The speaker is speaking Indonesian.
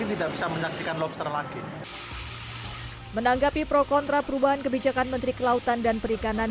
tidak bisa menyaksikan lobster lagi menanggapi pro kontra perubahan kebijakan menteri kelautan dan perikanan